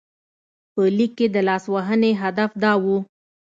په لیک کې د لاسوهنې هدف دا و.